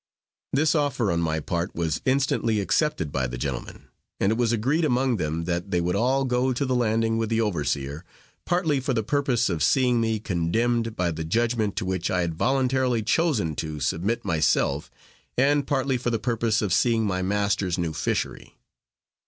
This offer on my part was instantly accepted by the gentlemen, and it was agreed among them that they would all go to the landing with the overseer, partly for the purpose of seeing me condemned by the judgment to which I had voluntarily chosen to submit myself, and partly for the purpose of seeing my master's new fishery.